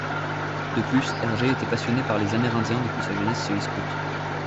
De plus, Hergé était passionné par les Amérindiens depuis sa jeunesse chez les Scouts.